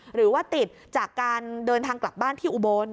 หรือว่าติดจากการเดินทางกลับบ้านที่อุบล